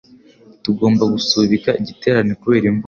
Tugomba gusubika igiterane kubera imvura.